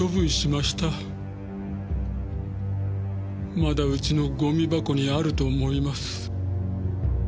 まだうちのゴミ箱にあると思います。